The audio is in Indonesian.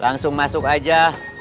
langsung masuk aja